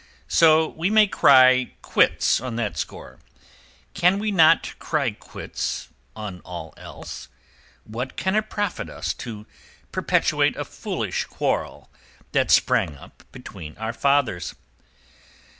So we may cry quits on that score. Can we not cry quits on all else? What can it profit us to perpetuate a foolish quarrel that sprang up between our fathers?"